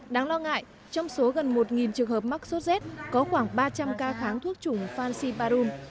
đáng lo ngại trong số gần một trường hợp mắc sốt rét có khoảng ba trăm linh ca kháng thuốc trùng fansiparoun